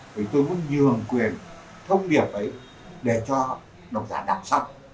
vì tôi muốn nhường quyền thông điệp ấy để cho đọc giả đọc xong